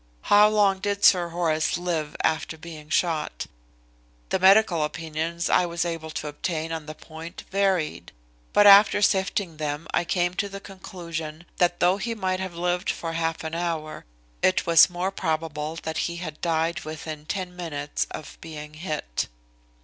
How long did Sir Horace live after being shot? The medical opinions I was able to obtain on the point varied, but after sifting them I came to the conclusion that though he might have lived for half an hour, it was more probable that he had died within ten minutes of being hit."